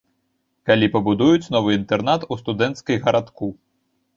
Калі пабудуюць новы інтэрнат у студэнцкай гарадку.